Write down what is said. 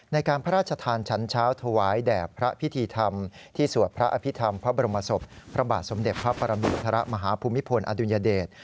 ในการพระราชทานฉันเช้าถวายแด่พระพิธีธรรมที่สวดพระอภิษฐรรมพระบรมศพพระบาทสมเด็จพระปรมินทรมาฮภูมิพลอดุลยเดช